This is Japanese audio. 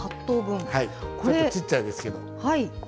ちょっとちっちゃいですけど。